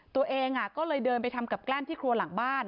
ตัวเองก็เลยเดินไปทำกับแกล้มที่ครัวหลังบ้าน